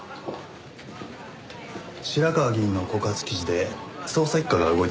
白河議員の告発記事で捜査一課が動いてますよね。